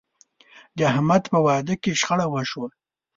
د احمد په واده کې شخړه وشوه.